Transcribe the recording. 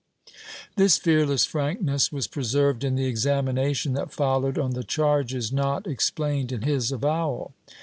^ This fearless frankness was preserved in the examination that followed on the charges not explained in his avowal.